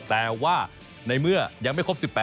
แต่ว่าในเมื่อยังไม่ครบ๑๘